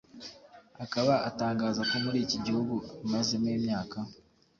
akaba atangaza ko muri iki gihugu amazemo imyaka